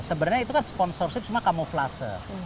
sebenarnya itu kan sponsorship cuma kamuflase